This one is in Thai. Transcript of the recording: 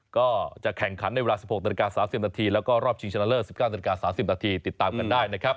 ก็จะแข่งขันในเวลา๑๖๓๐แล้วก็รอบชิงชาลเลอร์๑๙๓๐ติดตามกันได้นะครับ